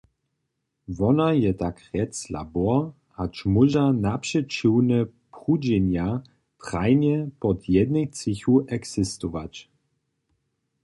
Wona je takrjec labor, hač móža napřećiwne prudźenja trajnje pod jednej třěchu eksistować.